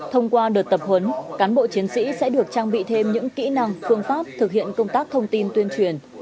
thông qua đợt tập huấn cán bộ chiến sĩ sẽ được trang bị thêm những kỹ năng phương pháp thực hiện công tác thông tin tuyên truyền